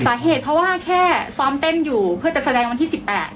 สาเหตุเพราะว่าแค่ซ้อมเต้นอยู่เพื่อจะแสดงวันที่๑๘